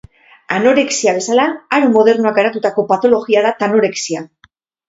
Anorexia bezala, aro modernoak garatutako patologia da tanorexia.